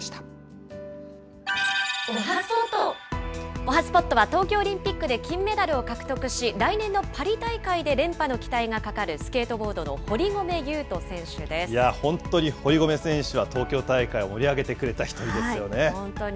おはＳＰＯＴは、東京オリンピックで金メダルを獲得し、来年のパリ大会で連覇の期待がかかる、スケートボードの堀米雄斗選手で本当に堀米選手は、東京大会、本当に。